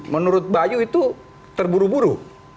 menurut bayu itu terburu buru